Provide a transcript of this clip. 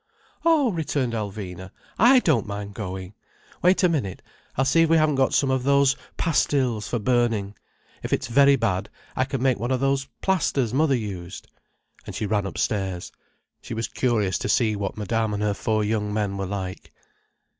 "Oh!" returned Alvina. "I don't mind going. Wait a minute, I'll see if we haven't got some of those pastilles for burning. If it's very bad, I can make one of those plasters mother used." And she ran upstairs. She was curious to see what Madame and her four young men were like.